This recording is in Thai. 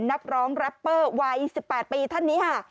นักร้องแรปเปอร์วัย๑๘ปีท่านนี้ค่ะ